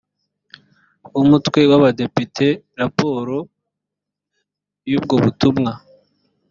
w umutwe w abadepite raporo y ubwo butumwa